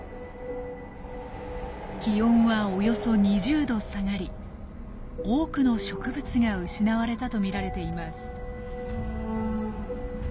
気温はおよそ２０度下がり多くの植物が失われたとみられています。